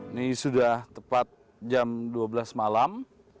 ini sudah tepat jam dua belas malam